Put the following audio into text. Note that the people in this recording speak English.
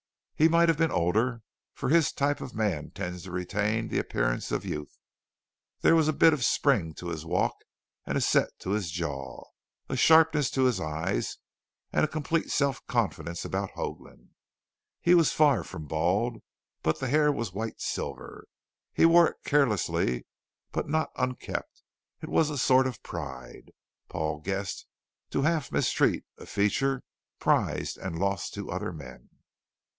He might have been older, for his type of man tends to retain the appearance of youth. There was a bit of spring to his walk and a set to his jaw; a sharpness to his eyes and a complete self confidence about Hoagland. He was far from bald, but the hair was white silver. He wore it carelessly but not unkempt; it was a sort of pride, Paul guessed, to half mistreat a feature prized and lost to other men.